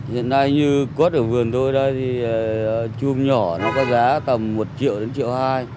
hiện nay như cốt ở vườn tôi đây thì chuông nhỏ nó có giá tầm một triệu đến triệu hai